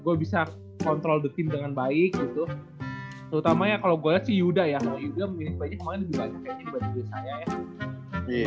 gua bisa kontrol bikin dengan baik itu terutama ya kalau gua si yuda ya kalau ini banyak banyak